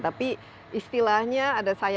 tapi istilahnya ada sebagainya